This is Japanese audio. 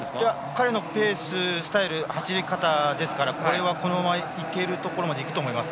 彼のペーススタイル走り方ですからこれはこのままいけるところまでいくと思います。